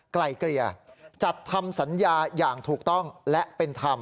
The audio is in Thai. ไกลเกลี่ยจัดทำสัญญาอย่างถูกต้องและเป็นธรรม